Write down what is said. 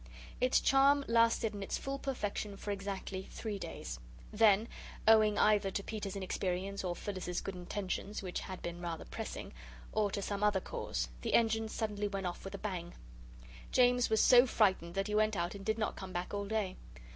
Its charm lasted in its full perfection for exactly three days. Then, owing either to Peter's inexperience or Phyllis's good intentions, which had been rather pressing, or to some other cause, the Engine suddenly went off with a bang. James was so frightened that he went out and did not come back all day.